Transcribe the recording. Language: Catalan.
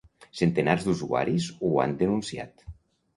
Centenars d’usuaris ho han denunciat.